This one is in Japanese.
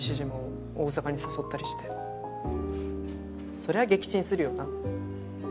そりゃ撃沈するよな。